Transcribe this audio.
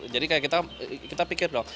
jadi kita pikir dong